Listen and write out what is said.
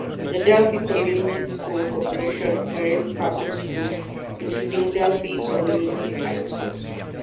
The Delphi Community School Corporation operates public schools, including Delphi Community High School.